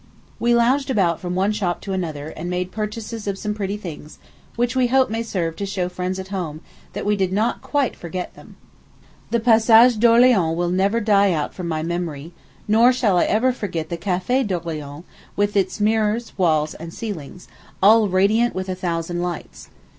We lounged about from one shop to another, and made purchases of some pretty things, which we hope may serve to show friends at home that we did not quite forget them. The Passage d'Orleans will never die out from my memory, nor shall I ever forget the Café d'Orleans, with its mirrors, walls, and ceilings, all radiant with a thousand lights.